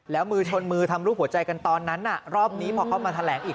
แล้วมือชนมือทำรูปหัวใจกันตอนนั้นรอบนี้พอเข้ามาแถลงอีก